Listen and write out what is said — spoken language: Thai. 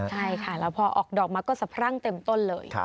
ใช่ค่ะแล้วพอออกดอกมาก็สะพรั่งเต็มต้นเลย